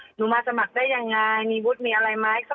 หนูมาสมัครได้ยังไงมีวุฒิมีอะไรไหม